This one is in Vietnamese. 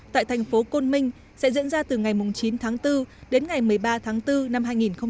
tại thành phố côn minh sẽ diễn ra từ ngày chín tháng bốn đến ngày một mươi ba tháng bốn năm hai nghìn hai mươi